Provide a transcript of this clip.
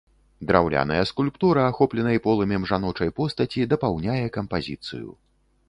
Драўляная скульптура, ахопленай полымем жаночай постаці, дапаўняе кампазіцыю.